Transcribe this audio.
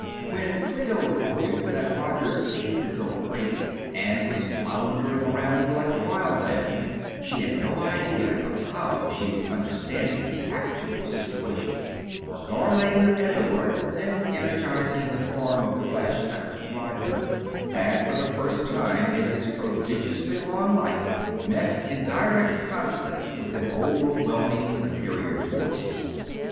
When Clio reported that Roger seemed to go crazy and was floundering around like a wild man, she had no idea of how she was understanding the actual situation; for Gharlane of Eddore, then energizing the form of flesh that was Roger, had for the first time in his prodigiously long life met in direct conflict with an overwhelming superior force.